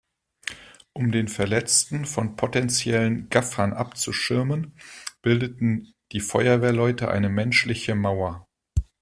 Um den Verletzten von potenziellen Gaffern abzuschirmen, bildeten die Feuerwehrleute eine menschliche Mauer.